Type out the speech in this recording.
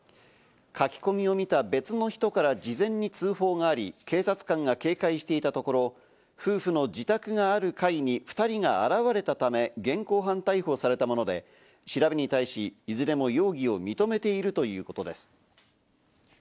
書き込みを見た別の人から事前に通報があり、警察官が警戒していたところ、夫婦の自宅がある階に２人が現れたため、現行犯逮捕されたもので、調べに対し、いずれも容疑を認めているということです。